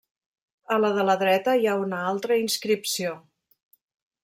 A la de la dreta hi ha una altra inscripció.